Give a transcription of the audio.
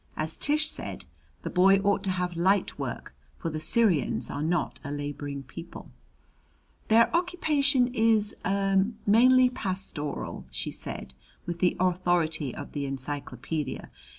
As Tish said, the boy ought to have light work, for the Syrians are not a laboring people. "Their occupation is er mainly pastoral," she said, with the authority of the encyclopædia.